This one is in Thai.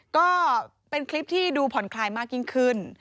ก็เป็นคลิปที่ดูผ่อนคลายมากยิ่งขึ้น